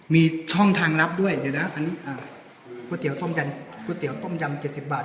มีช่องทางรับด้วยเดี๋ยวนะก๋วยเตี๋ยวต้มยำ๗๐บาท